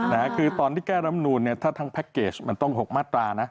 นะฮะคือตอนที่แก้รำนูนเนี่ยถ้าทั้งแพ็คเกจมันต้อง๖มาตรานะ